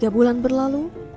tiga bulan berlalu